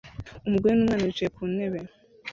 Umugore n'umwana bicaye ku ntebe